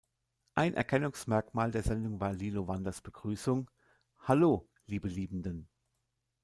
Ein Erkennungsmerkmal der Sendung war Lilo Wanders Begrüßung „"Hallo, liebe Liebenden.